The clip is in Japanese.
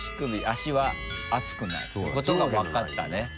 足は熱くないってことが分かったね。